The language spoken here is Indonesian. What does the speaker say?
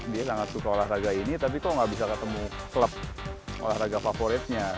dia sangat suka olahraga ini tapi kok nggak bisa ketemu klub olahraga favoritnya